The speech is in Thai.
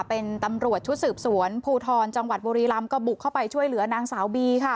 เป็นตำรวจชุดสืบสวนภูทรจังหวัดบุรีรำก็บุกเข้าไปช่วยเหลือนางสาวบีค่ะ